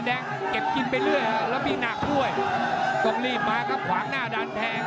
แดงเก็บกินไปเรื่อยแล้วมีหนักด้วยต้องรีบมาครับขวางหน้าดันแทง